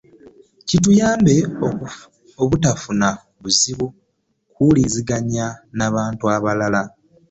Kituyambe obutafuna buzibu kuwulizaganya n'abantu abalala.